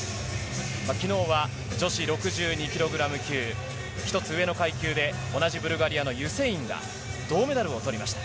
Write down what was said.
きのうは女子６２キログラム級、１つ上の階級で同じブルガリアのユセインが銅メダルをとりました。